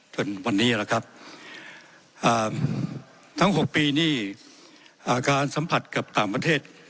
จนวันนี้แหละครับทั้ง๖ปีนี่การสัมผัสกับต่างประเทศ